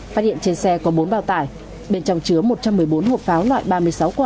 phát hiện trên xe có bốn bao tải bên trong chứa một trăm một mươi bốn hộp pháo loại ba mươi sáu quả